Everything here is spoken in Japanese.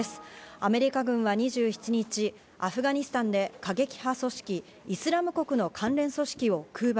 アメリカ軍は２７日、アフガニスタンで過激派組織イスラム国の関連組織を空爆。